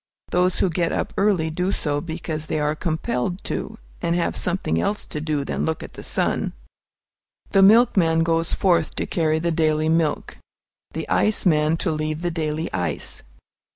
Those who get up early do it because they are compelled to, and have something else to do than look at the sun. The milkman goes forth to carry the daily milk, the ice man to leave the daily ice.